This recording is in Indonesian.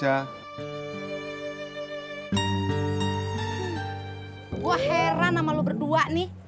aku iri sama kamu berdua